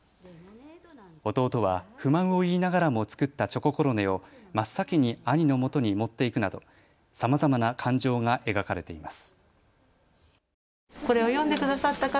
弟は不満を言いながらも作ったチョココロネを真っ先に兄のもとに持って行くなどさまざまな感情が描かれています。